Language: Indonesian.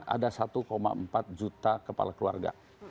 ada satu empat juta kepala keluarga